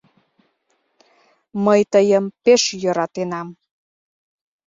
Мый тыйым пеш йӧратенам